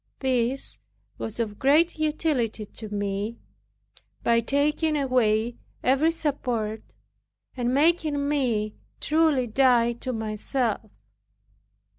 This was of great utility to me, by taking away every support, and making me truly die to myself.